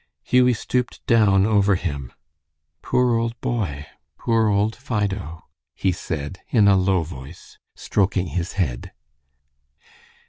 Hughie stooped down over him. "Poor old boy, poor old Fido," he said, in a low voice, stroking his head.